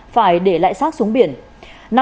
phải để lại sát xuống biển